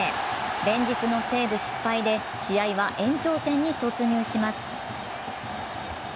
連日のセーブ失敗で試合は延長戦に突入します。